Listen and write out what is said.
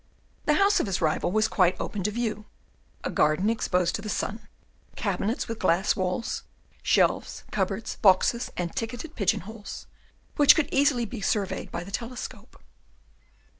The house of his rival was quite open to view; a garden exposed to the sun; cabinets with glass walls, shelves, cupboards, boxes, and ticketed pigeon holes, which could easily be surveyed by the telescope.